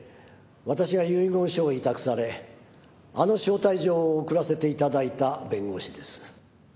私が遺言書を委託されあの招待状を送らせて頂いた弁護士です。